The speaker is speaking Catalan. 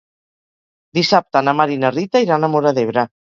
Dissabte na Mar i na Rita iran a Móra d'Ebre.